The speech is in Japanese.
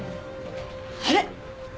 あれ！？